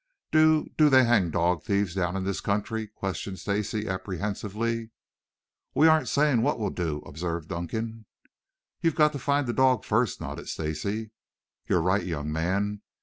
"Do do they hang dog thieves down in this country?" questioned Stacy apprehensively. "We aren't saying what we'll do," observed Dunkan. "You've got to find the dog first," nodded Stacy. "You're right, young man.